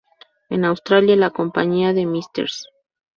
En Australia la compañía de Mrs.